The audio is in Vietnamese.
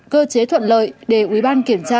cơ chế thuận lợi để ủy ban kiểm tra